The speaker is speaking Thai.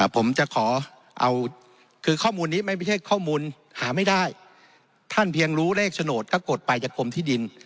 ผมจะขอเอาคือข้อมูลนี้ไม่ใช่ข้อมูลหาไม่ได้ท่านเพียงรู้เลขโฉนดก็กดไปจากกรมที่ดิน